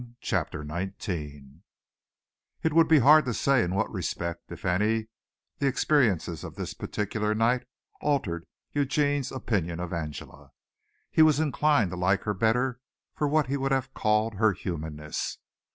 CHAPTER XIX It would be hard to say in what respect, if any, the experiences of this particular night altered Eugene's opinion of Angela. He was inclined to like her better for what he would have called her humanness.